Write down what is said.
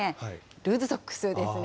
ルーズソックスですね。